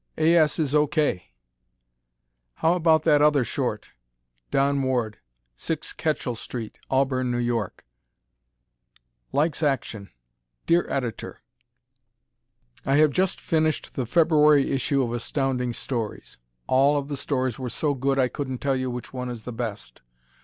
A. S. is O. K! How about that other short? Don Ward, 6 Ketchel St., Auburn, N. Y. Likes Action Dear Editor: I have just finished the February issue of Astounding Stories. All of the stories were so good I couldn't tell you which one is the best.